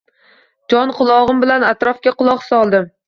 Jon qulog`im bilan atrofga quloq osdim